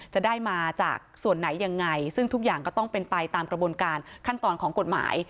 จะได้มาจากส่วนไหนยังไงซึ่งทุกอย่างก็ต้องเป็นไปตามกระบวนการขั้นตอนของกฎหมาย